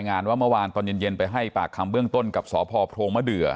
งานว่าเมื่อวานตอนเย็นไปให้ปากคำเบื้องต้นกับสพโพรงมะเดือ